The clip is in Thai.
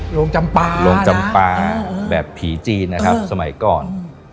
โรงจำปลาโรงจำปลาแบบผีจีนนะครับสมัยก่อน